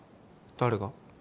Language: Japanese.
誰が？